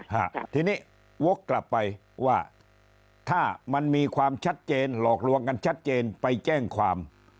ฮะทีนี้วกกลับไปว่าถ้ามันมีความชัดเจนหลอกลวงกันชัดเจนไปแจ้งความ